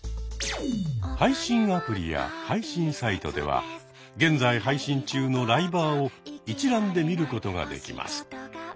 配信アプリや配信サイトでは現在配信中のライバーを一覧で見ることができます。